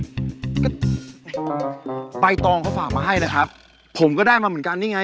ก็ใบตองเขาฝากมาให้เลยครับผมก็ได้มาเหมือนกันนี่ไง